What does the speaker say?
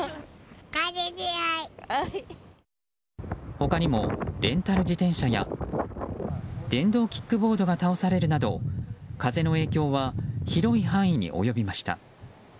他にもレンタル自転車や電動キックボードが倒されるなど風の影響は広い範囲に及びました。